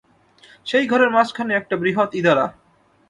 সেই ঘরের মাঝখানে একটা বৃহৎ ইঁদারা।